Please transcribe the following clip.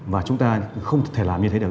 và chúng ta không thể làm như thế được